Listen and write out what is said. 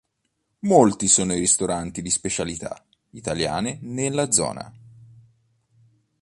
Molti sono i ristoranti di specialità italiane nella zona.